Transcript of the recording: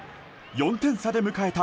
４点差で迎えた